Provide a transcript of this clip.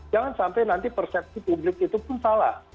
jangan sampai nanti persepsi publik itu pun salah